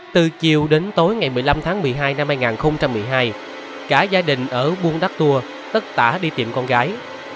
từ chiều đến tối ngày một mươi năm tháng một mươi hai năm hai nghìn một mươi hai cả gia đình ở buôn đắc tua tất cả đi tìm con gái